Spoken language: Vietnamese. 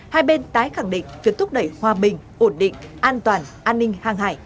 hai bên tái khẳng định việc thúc đẩy hòa bình ổn định an toàn an ninh hàng hải